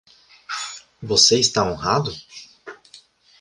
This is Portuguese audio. Você está honrado?